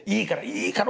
いいから！